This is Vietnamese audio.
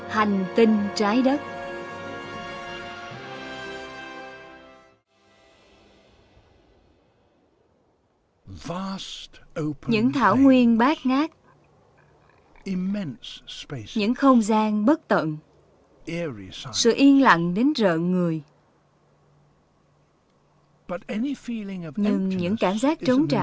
hành tinh trái đất